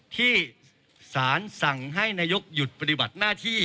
ที่สารสั่งให้นายกหยุดปฏิบัติหน้าที่